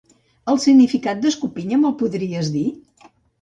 El significat d'escopinya me'l podries dir?